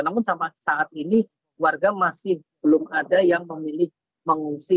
namun sampai saat ini warga masih belum ada yang memilih mengungsi